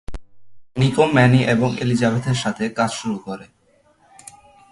Nicco Manny এবং এলিজাবেথের সাথে কাজ শুরু করে।